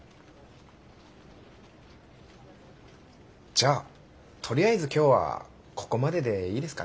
じゃあとりあえず今日はここまででいいですかね。